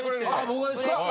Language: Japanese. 僕がですか？